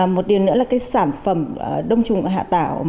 một điều nữa là sản phẩm đồng trùng hạ thảo